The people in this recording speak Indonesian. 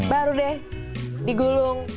baru deh digulung